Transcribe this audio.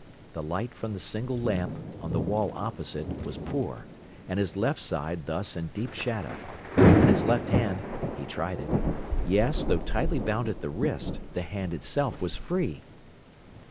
The light from the single lamp, on the wall opposite, was poor, and his left side thus in deep shadow. And his left hand he tried it yes, though tightly bound at the wrist, the hand itself was free.